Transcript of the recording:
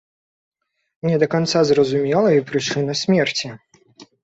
Не да канца зразумелая і прычына смерці.